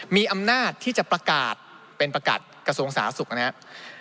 มีอำนาจที่จะประกาศเป็นประกาศกระทรวงสาธารณสุขนะครับ